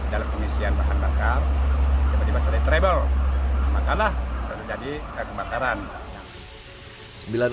dalam pengisian bahan bakar